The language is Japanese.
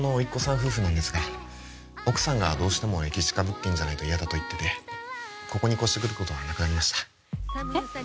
夫婦なんですが奥さんがどうしても駅近物件じゃないと嫌だと言っててここに越してくることはなくなりましたえっ